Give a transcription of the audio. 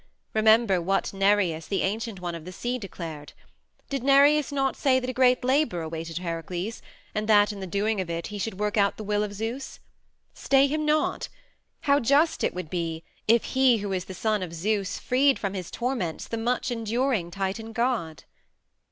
Remember what Nereus, the ancient one of the sea, declared! Did Nereus not say that a great labor awaited Heracles, and that in the doing of it he should work out the will of Zeus? Stay him not! How just it would be if he who is the son of Zeus freed from his torments the much enduring Titan god!"